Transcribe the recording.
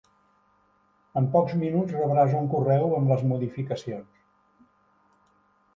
En pocs minuts rebràs un correu amb les modificacions.